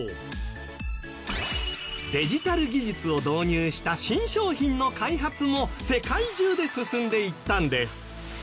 デジタル技術を導入した新商品の開発も世界中で進んでいったんです